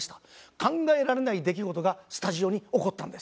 考えられない出来事がスタジオに起こったんです。